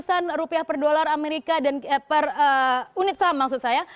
empat ratus an rupiah per unit saham maksud saya